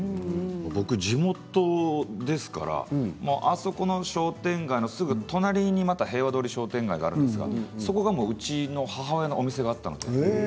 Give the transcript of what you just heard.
僕、地元ですからあそこの商店街のすぐ隣に平和通り商店街というのがあってそこはうちの母親のお店があったの。